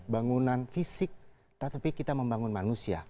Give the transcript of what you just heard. bangunan fisik tetapi kita membangun manusia